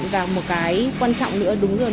và một cái quan trọng nữa đúng rồi